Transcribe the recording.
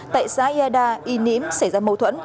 tại xã yeda y niêm xảy ra mâu thuẫn